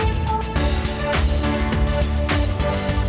itu dimasukkannya ridiculous